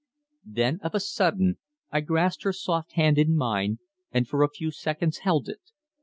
Then, of a sudden, I grasped her soft hand in mine and for a few seconds held it.